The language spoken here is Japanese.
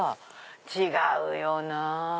違うよなぁ。